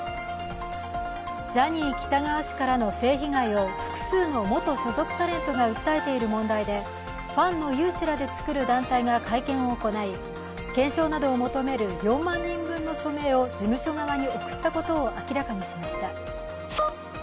ジャニー喜多川氏からの性被害を複数の元所属タレントが訴えている問題でファンの有志らで作る団体が会見を行い検証などを求める４万人分の署名を事務所に送ったことを明らかにしました。